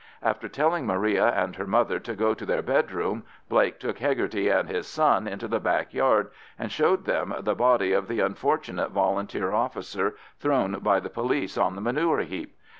After telling Maria and her mother to go to their bedroom, Blake took Hegarty and his son into the back yard, and showed them the body of the unfortunate Volunteer officer thrown by the police on the manure heap.